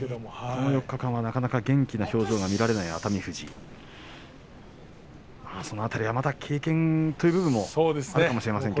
この４日間はなかなか元気な表情が見られない熱海富士、経験という部分もあるかもしれません。